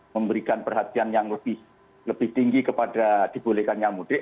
memberikan perhatian yang lebih tinggi kepada dibolehkannya mudik